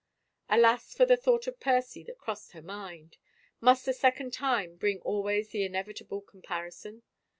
Alas for the thought of Percy that crossed her mind ! Must the second time bring always the inevitable com parison